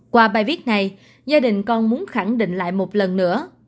qua bài viết này gia đình còn muốn khẳng định lại một lần nữa